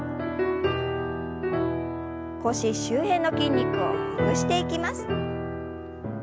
腰周辺の筋肉をほぐしていきます。